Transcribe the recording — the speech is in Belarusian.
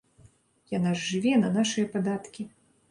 Яна ж жыве на нашыя падаткі.